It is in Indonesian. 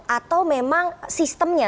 atau memang sistemnya